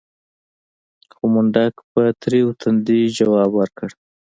خو منډک په تريو تندي ځواب ورکړ.